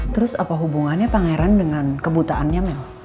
terus apa hubungannya pangeran dengan kebutaannya mel